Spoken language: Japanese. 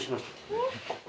えっ？